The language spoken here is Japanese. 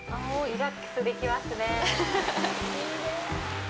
リラックスできますね。